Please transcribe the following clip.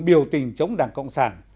điều tình chống đảng cộng sản